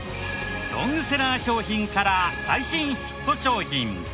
ロングセラー商品から最新ヒット商品。